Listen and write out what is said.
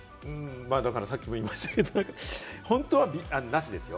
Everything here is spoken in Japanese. さっきも言いましたけど、本当はなしですよ。